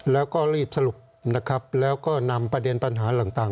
แล้วก็รีบสรุปนะครับแล้วก็นำประเด็นปัญหาต่าง